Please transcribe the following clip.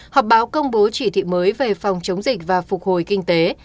họp báo công bố chỉ thị mới về phòng chống dịch và phục hồi kinh tế